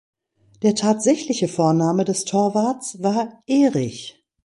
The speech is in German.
Der tatsächliche Vorname des Torwarts war Erich.